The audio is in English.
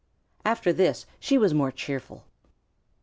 After this she was more cheerful.